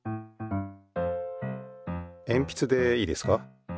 えんぴつでいいですか。